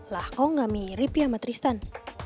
lah kok gak mirip ya sama tristan